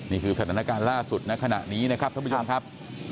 นี่คือสถานการณ์ล่าสุดในขณะนี้นะครับท่านผู้ชมครับ